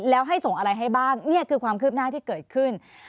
แล้วให้ส่งอะไรให้บ้างนี่คือความคืบหน้าที่เกิดขึ้น